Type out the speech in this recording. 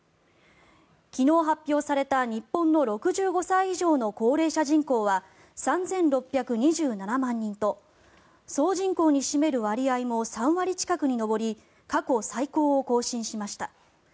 昨日発表された日本の６５歳以上の高齢者人口は３６２７万人と総人口に占める割合も３割近くに上り過去最高を更新しました。